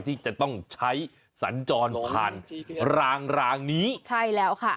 ที่จะต้องใช้สัญจรผ่านรางรางนี้ใช่แล้วค่ะ